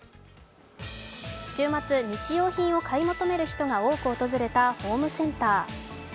週末、日用品を買い求める人が多く訪れたホームセンター。